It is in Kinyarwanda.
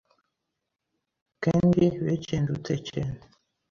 kendi bekendushe cyene